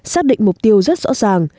xác định mục tiêu rất rõ ràng